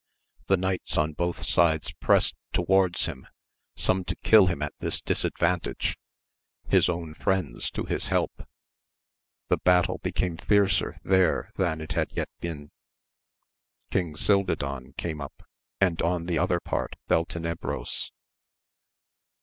The knights on both sides pressed towards him, some to kill him at this disadvantage, his own friends to his help. The battle became fiercer there than it had yet been ; King Cildadan came up, and on the other part Beltene bros.